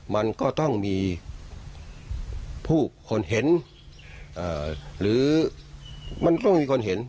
มันก็ต้องมีผู้คนเห็นหรือมันต้องมีคนเห็น